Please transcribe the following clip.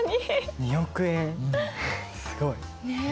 ２億円すごい！ね。